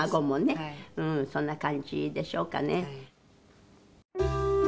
うんそんな感じでしょうかね。